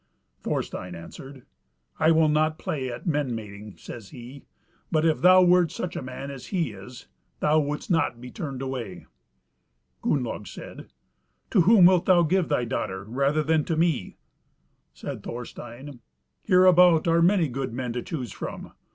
Thorstein answered: "I will not play at men mating," says he, "but if thou wert such a man as he is, thou wouldst not be turned away." Gunnlaug said, "To whom wilt thou give thy daughter rather than to me?" Said Thorstein, "Hereabout are many good men to choose from.